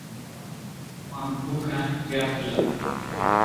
Kuanguka ghafla